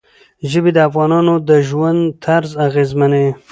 ژبې د افغانانو د ژوند طرز اغېزمنوي.